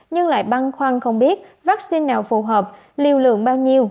nhưng lại băn khoăn không biết vaccine nào phù hợp liều lượng bao nhiêu